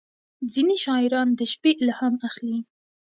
• ځینې شاعران د شپې الهام اخلي.